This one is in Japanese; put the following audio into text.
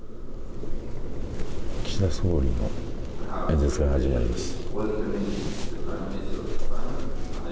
岸田総理の演説が始まります。